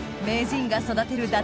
名人が育てる